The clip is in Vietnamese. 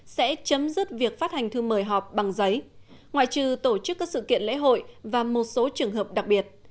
sẽ chấm dứt việc phát hành thư mời họp bằng giấy ngoại trừ tổ chức các sự kiện lễ hội và một số trường hợp đặc biệt